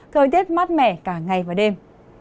thời tiết mát mẻ cả ngày và đêm